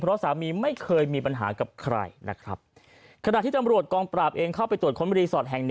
เพราะสามีไม่เคยมีปัญหากับใครนะครับขณะที่ตำรวจกองปราบเองเข้าไปตรวจค้นรีสอร์ทแห่ง๑